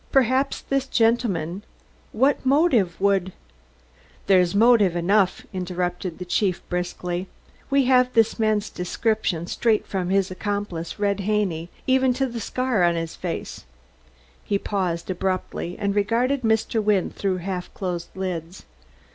"Perhaps this gentleman what motive would " "There's motive enough," interrupted the chief briskly. "We have this man's description straight from his accomplice, Red Haney, even to the scar on his face " He paused abruptly, and regarded Mr. Wynne through half closed lids.